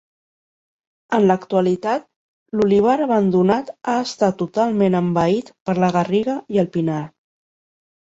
En l'actualitat l'olivar abandonat ha estat totalment envaït per la garriga i el pinar.